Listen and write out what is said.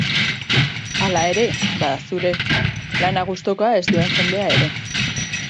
Hala ere, bada zure lana gustuko ez duen jendea ere.